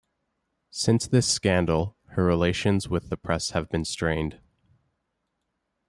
Since this scandal, her relations with the press have been strained.